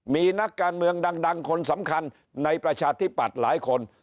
มีนักการเมืองดังคนสำคัญในประชาธิปัตย์หลายคน